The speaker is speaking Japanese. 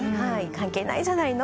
「関係ないじゃないの？